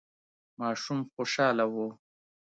ماشوم خوشاله و.